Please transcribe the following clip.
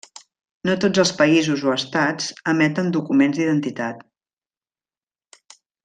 No tots els països o estats emeten documents d'identitat.